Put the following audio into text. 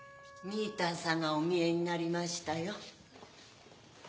みぃたんさんがおみえになりましたよ。